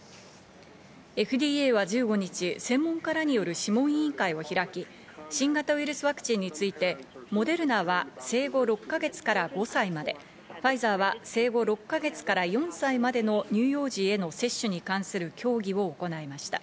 ＦＤＡは１５日、専門家らによる諮問委員会を開き、新型ウイルスワクチンについて、モデルナは生後６か月から５歳まで、ファイザーは生後６か月から４歳までの乳幼児への接種に関する協議を行いました。